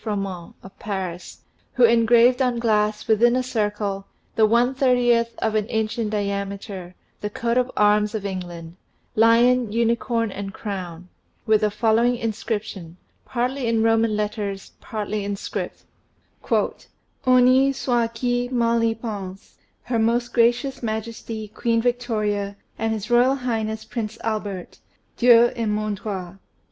Froment, of Paris, who engraved on glass, within a circle, the one thirtieth of an inch in diameter, the Coat of Arms of England lion, unicorn, and crown with the following inscription, partly in Roman letters, partly in script :" Honi soit qui mat y pensc, Her Most Gracious Majesty, Queen Victoria, and His Royal Highness, Prince Albert, Dieu et man droit.